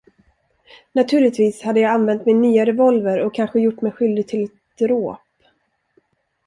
Naturligtvis hade jag använt min nya revolver och kanske gjort mig skyldig till dråp.